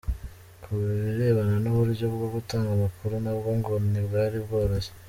Ku birebana n’uburyo bwo gutanga amakuru nabwo ngo ntibwari bworoshye.